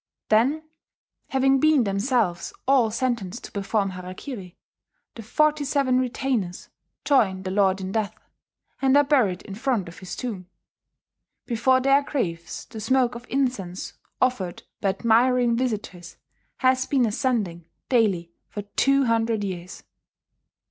Then, having been themselves all sentenced to perform harakiri, the forty seven retainers join their lord in death, and are buried in front of his tomb. Before their graves the smoke of incense, offered by admiring visitors, has been ascending daily for two hundred years.